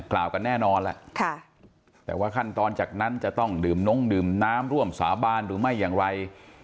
กันแน่นอนแหละแต่ว่าขั้นตอนจากนั้นจะต้องดื่มน้งดื่มน้ำร่วมสาบานหรือไม่อย่างไร